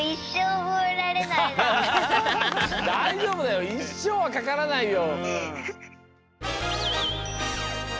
だいじょうぶだよいっしょうはかからないよ！